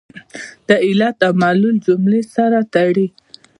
د علت او معلول جملې سره تړي.